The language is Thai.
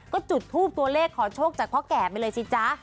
ก็จุดทูปตัวเลขขอโชคจากพ่อแก่ไปเลยสิจ๊ะ